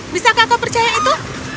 bisakah kau percaya itu